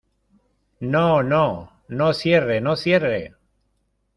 no, no , no cierre , no cierre.